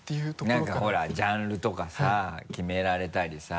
何かほらジャンルとかさ決められたりさ。